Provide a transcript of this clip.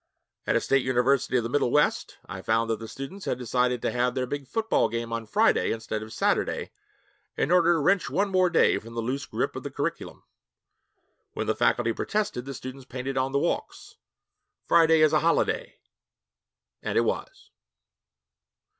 At a state university of the Middle West, I found that the students had decided to have their big football game on Friday instead of Saturday, in order to wrench one more day from the loose grip of the curriculum. When the faculty protested, the students painted on the walks, 'Friday is a holiday' and it was.